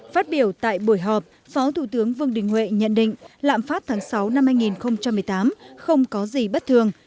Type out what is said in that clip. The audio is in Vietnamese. phát biểu tại buổi họp phó thủ tướng vương đình huệ nhận định lạm phát tháng sáu năm hai nghìn một mươi tám không có gì bất thường